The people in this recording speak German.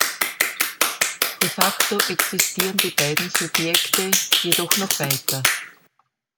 De facto existierten die beiden Subjekte jedoch noch weiter.